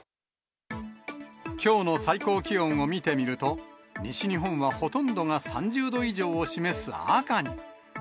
きょうの最高気温を見てみると、西日本はほとんどが３０度以上を示す赤に。